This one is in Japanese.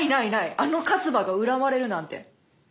あの一馬が恨まれるなんて。